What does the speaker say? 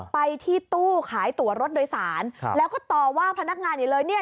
ไปที่ตู้ขายตัวรถโดยสารแล้วก็ตอบว่าพนักงานอย่างนี้เลย